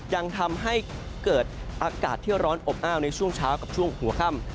ยังทำให้เกิดอากาศที่ร้อนอบอ้าวในช่วงเช้ากับช่วงหัวค่ำ